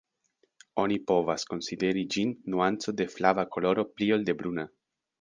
Oni povas konsideri ĝin nuanco de flava koloro pli ol de bruna.